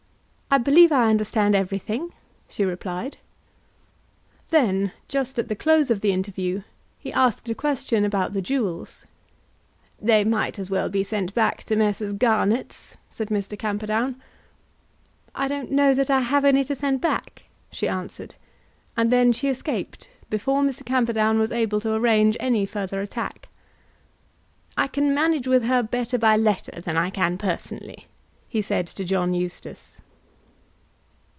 "I believe I understand everything," she replied. Then, just at the close of the interview, he asked a question about the jewels. Lady Eustace at first made no reply. "They might as well be sent back to Messrs. Garnett's," said Mr. Camperdown. "I don't know that I have any to send back," she answered; and then she escaped before Mr. Camperdown was able to arrange any further attack. "I can manage with her better by letter than I can personally," he said to John Eustace.